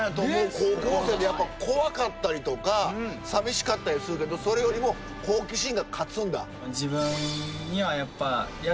高校生でやっぱ怖かったりとか寂しかったりするけどそれよりも好奇心が勝つんだ。